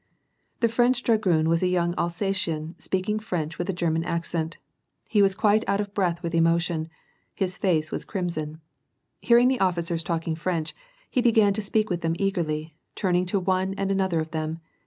The French dragoon was a young Alsatian, speaking French with a German accent. He was quite out of breath with emotion; his face was crimson. Hearing the officers talking French, he began to speak with them eagerly, turning to one and another of them.